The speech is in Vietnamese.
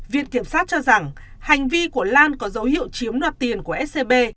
viện kiểm sát cho rằng hành vi của lan có dấu hiệu chiếm đoạt tiền của scb